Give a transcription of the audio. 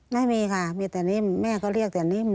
ไม่มีค่ะมีแต่นิ่มแม่ก็เรียกแต่นิ่ม